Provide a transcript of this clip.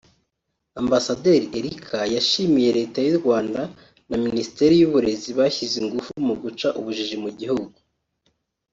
Ambasaderi Erica yashimye Leta y’u Rwanda na Minisiteri y’Uburezi bashyize ingufu mu guca ubujiji mu gihugu